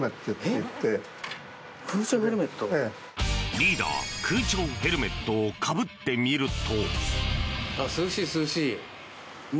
リーダー、空調ヘルメットをかぶってみると。